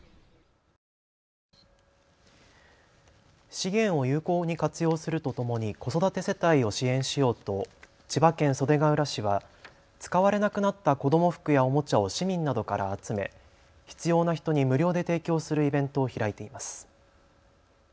資源を有効に活用するとともに子育て世帯を支援しようと千葉県袖ケ浦市は使われなくなった子ども服やおもちゃを市民などから集め必要な人に無料で提供するイベントを開いています。